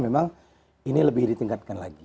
memang ini lebih ditingkatkan lagi